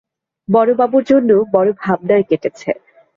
বড়োবাবুর জন্যে বড়ো ভাবনায় কেটেছে।